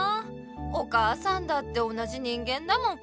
お母さんだって同じ人間だもん。